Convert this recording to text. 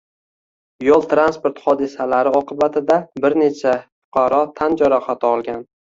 yo´l transport hodisasilar oqibatida bir necha fuqaro tan jarohati olgan